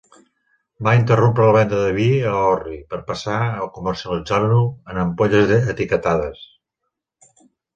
Va interrompre la venda de vi a orri per passar a comercialitzar-lo en ampolles etiquetades.